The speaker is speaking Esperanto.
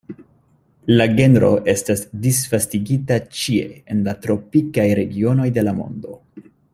La genro estas disvastigita ĉie en la tropikaj regionoj de la mondo.